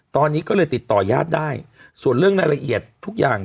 ตอนนี้ก็เลยติดต่อยาดได้ส่วนเรื่องรายละเอียดทุกอย่าง